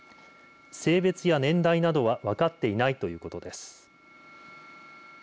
性別や年代などは分かっていないということです。